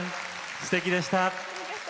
すてきでした！